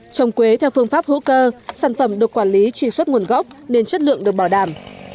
trồng quế theo phương pháp hữu cơ sản phẩm được quản lý truy xuất nguồn gốc nên chất lượng được bảo đảm